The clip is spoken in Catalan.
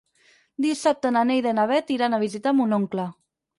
Dissabte na Neida i na Bet iran a visitar mon oncle.